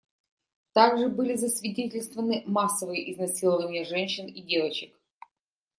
Также были засвидетельствованы массовые изнасилования женщин и девочек.